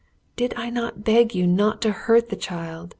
"Did I not beg you not to hurt the child?"